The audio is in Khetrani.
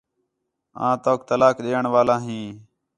آں توک طلاق ݙیݨ والا ہیں